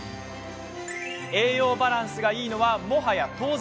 栄養バランスがいいのはもはや当然。